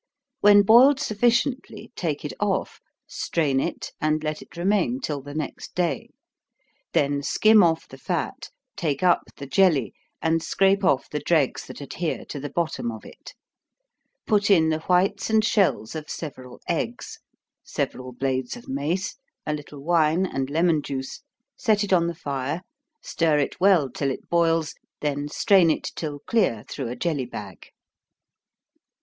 When boiled sufficiently, take it off, strain it, and let it remain till the next day then skim off the fat, take up the jelly, and scrape off the dregs that adhere to the bottom of it put in the whites and shells of several eggs, several blades of mace, a little wine, and lemon juice set it on the fire, stir it well till it boils, then strain it till clear through a jelly bag.